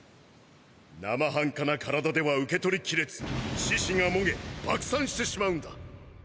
生半可な身体では受け取りきれず四肢がもげ爆散してしまうんだ！